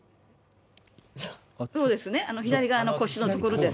そうですね、左側の腰の所です。